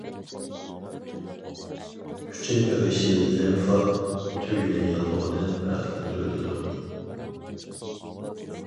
ئۈچەي بېغىشى لىمفا تۈگۈنى ياللۇغىدىن پەرقلەندۈرۈلىدۇ.